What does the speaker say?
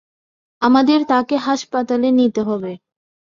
আমাদের তাকে হাসপাতালে নিতে হবে।